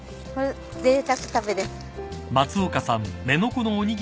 ぜいたく食べです。